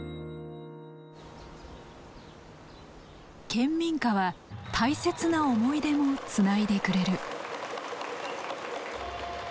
県民歌は大切な思い出もつないでくれる。